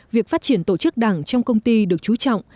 việc phát triển tổ chức đảng trong công ty được trú trọng